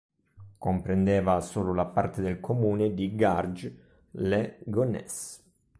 Comprendeva solo parte del comune di Garges-lès-Gonesse.